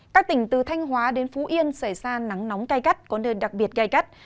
các tỉnh từ thanh hóa đến phú yên xảy ra nắng nóng cay cắt có nơi đặc biệt cay cắt